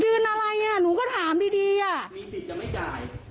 อะไรอ่ะหนูก็ถามดีดีอ่ะมีสิทธิ์จะไม่จ่าย